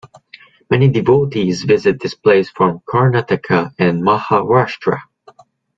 Many devotees visit this place from Karnataka and Maharashtra.